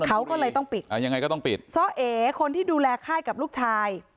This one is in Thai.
เขาก็เลยต้องปิดอ่ายังไงก็ต้องปิดซ่อเอคนที่ดูแลค่ายกับลูกชาย